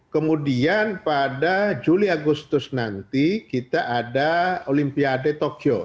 kemudian pada juli agustus nanti kita ada olimpiade tokyo